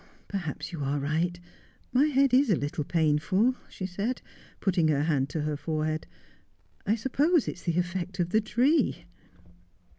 ' Perhaps you are right. My head is a little painful,' she said, putting her hand to her forehead. ' I suppose it's the effect of the tree.'